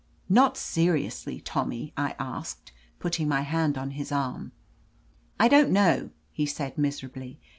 "Not seriously. Tommy?" I asked, putting my hand on his arm. "I don't know," he said miserably.